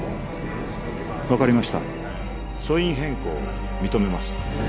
分かりました訴因変更を認めます